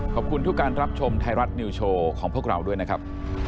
ขอบคุณทุกการรับชมไทยรัฐนิวโชว์ของพวกเราด้วยนะครับ